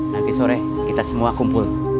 nanti sore kita semua kumpul